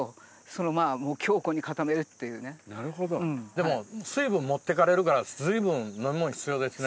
でも水分持ってかれるから随分飲み物必要ですね。